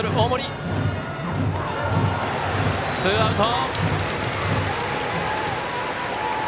ツーアウト。